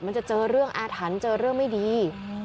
มันจะเจอเรื่องอาถรรพ์เจอเรื่องไม่ดี